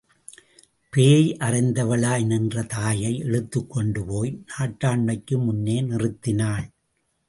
பேய் அறைந்தவளாய் நின்ற தாயை இழுத்துக்கொண்டு போய் நாட்டாண்மைக்கு முன்னே நிறுத்தினாள்.